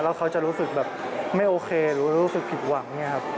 แล้วเขาจะรู้สึกแบบไม่โอเคหรือรู้สึกผิดหวังเนี่ยครับ